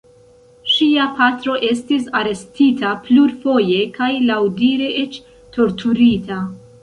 Ŝia patro estis arestita plurfoje kaj laŭdire eĉ torturita.